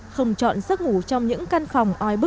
không chọn giấc ngủ trong những căn phòng oi bức